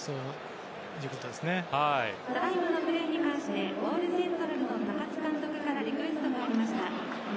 ただ今のプレーに関してオールセントラルの高津監督からリクエストがありました。